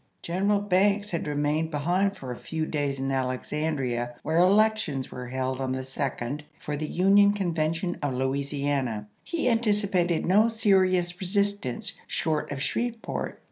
General Banks had remained behind for a few days in Alexandria, where elec tions were held on the 2d for the Union Conven tion of Louisiana. He anticipated no serious resistance short of Shreveport.